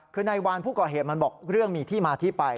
คือนายวานผู้ก่อเหตุมันบอกเรื่องมีที่มาที่ไป